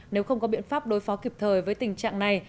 nếu không có biện pháp đối phó kịp thời với tình trạng này